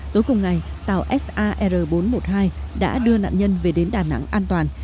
tối cùng ngày tàu sar bốn trăm một mươi hai đã đưa nạn nhân về đến đà nẵng an toàn